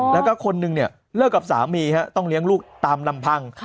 แล้วก็คนหนึ่งเนี่ยเลิกกับสามีต้องเลี้ยงลูกตามลำพัง